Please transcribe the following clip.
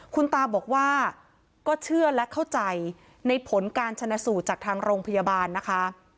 คุณตาบอกว่าก็เชื่อและเข้าใจในผลการชนะสูตรจากทางโรงพยาบาลนะคะ